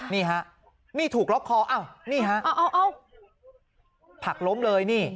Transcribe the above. นี่ฮะนี่ถูกล็อกคออ้าวนี่ฮะผักล้มเลยนี่